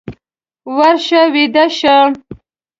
ورشه ويده شه!